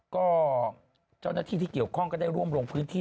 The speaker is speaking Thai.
ก็เจ้าหน้าที่ที่เกี่ยวข้องก็ได้ร่วมลงพื้นที่